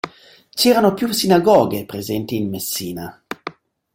C'erano più sinagoghe presenti in Messina.